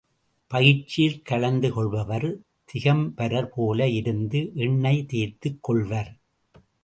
பயிற்சியில் கலந்துகொள்பவர் திகம்பரர் போல இருந்து எண்ணெய் தேய்த்துக் கொள்வர்.